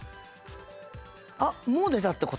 あっもう出たってこと？